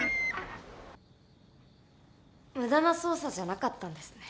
無駄な捜査じゃなかったんですね。